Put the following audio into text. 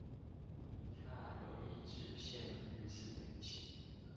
恰有一直線與此平行